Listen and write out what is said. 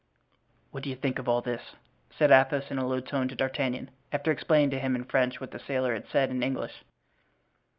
"What do you think of all this?" said Athos, in a low tone to D'Artagnan, after explaining to him in French what the sailor had said in English.